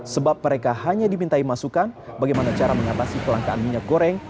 sebab mereka hanya dimintai masukan bagaimana cara mengatasi kelangkaan minyak goreng